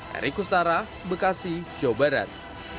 erik ustara bekasi jawa barat